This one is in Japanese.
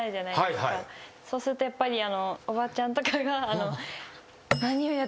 そうするとやっぱりおばちゃんとかが。